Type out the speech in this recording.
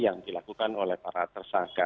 yang dilakukan oleh para tersangka